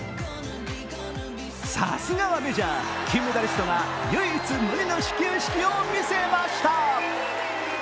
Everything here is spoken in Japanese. さすがはメジャー、金メダリストが唯一無二の始球式を見せました。